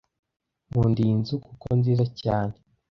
Nkunda iyi nzu, kuko nziza cyane.